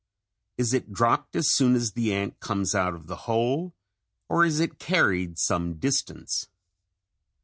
Is it dropped as soon as the ant comes out of the hole or is it carried some distance?